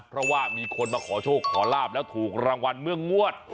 เพราะว่ามีคนมาขอโชคขอลาบแล้วถูกรางวัลเมื่องวด